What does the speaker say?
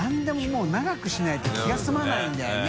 もう長くしないと気が済まないんだよね。